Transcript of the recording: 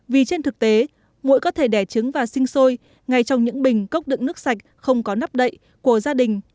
vì trên thực tế mũi có thể đẻ trứng và sinh sôi ngay trong những bình cốc đựng nước sạch không có nắp đậy của gia đình